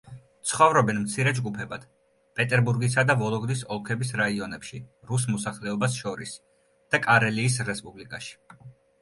ცხოვრობენ მცირე ჯგუფებად პეტერბურგისა და ვოლოგდის ოლქების რაიონებში რუს მოსახლეობას შორის და კარელიის რესპუბლიკაში.